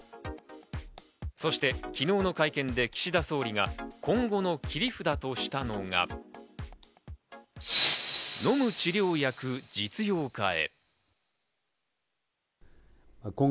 そして昨日の会見で岸田総理が今後の切り札としたのが飲む治療薬、実用化へ。